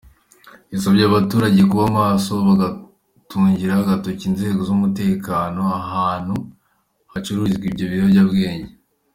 Yasabye abaturage kuba maso bagatungira agatoki inzego z’umutekano ahantu hacururizwa ibyo biyobyabwenge.